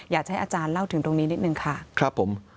อยากให้อาจารย์เล่าถึงตรงนี้นิดนึงค่ะครับผม